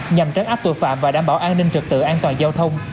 nhằm trấn áp tội phạm và đảm bảo an ninh trực tự an toàn giao thông